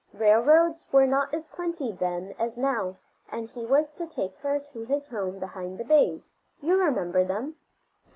Railroads were not as plenty then as now, and he was to take her to his home behind the bays you remember them?